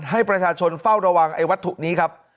ให้ประชาชนเฝ้าระวังไอ้วัตถุนี้ครับ